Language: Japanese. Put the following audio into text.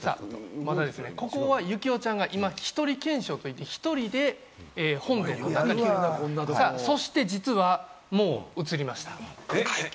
ここは行雄ちゃんが今１人検証といって、１人でそして実はもう映りました。